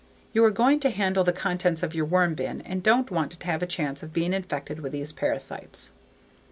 You are going to handle the contents of your worm bin and won't want to take a chance on being infected with these parasites.